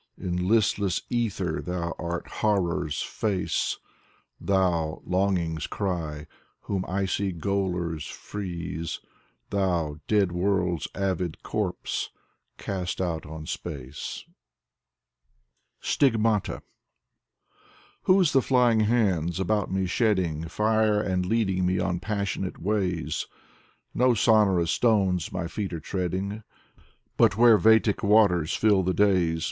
In listless ether thou art horror's face, Thou, longing's cry, whom icy gaolers freeze. Thou, dead world's avid corpse, cast out on space. Maximilian Voloshin 117 STIGMATA Whose the flying hands, about me shedding Fire, and leading me on passionate ways? No sonorous stones my feet are treading, But where vatic waters fill the days.